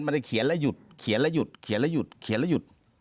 จะเขียนแล้วหยุดเขียนแล้วหยุดเขียนแล้วหยุดเขียนแล้วหยุด